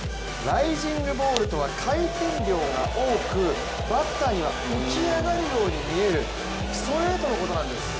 ライジングボールとは回転量が多くバッターには、浮き上がるように見えるストレートのことなんです。